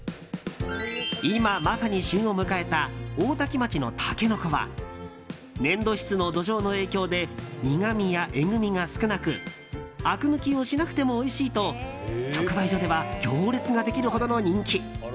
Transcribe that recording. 今、まさに旬を迎えた大多喜町のタケノコは粘土質の土壌の影響で苦みやえぐみが少なくあく抜きをしなくてもおいしいと直売所では行列ができるほどの人気。